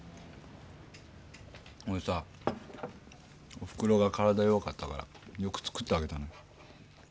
俺さおふくろが体弱かったからよく作ってあげたの。